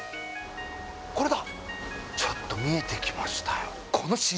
ちょっと見えてきましたよ